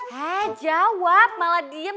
hei jawab malah diem